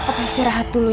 papa istirahat dulu ya